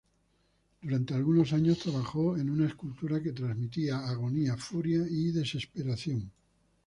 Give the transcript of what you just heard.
Durante algunos años, trabajó en una escultura que transmitía agonía, furia y desesperación.